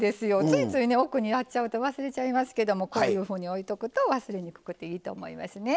ついつい奥にやっちゃうと忘れちゃいますけどもこういうふうに置いとくと忘れにくくていいと思いますね。